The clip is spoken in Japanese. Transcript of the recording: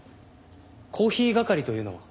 コーヒー係というのは？